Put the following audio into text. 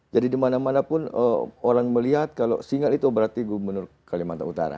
jadi di mana mana pun orang melihat kalau singal itu berarti gubernur kalimantan utara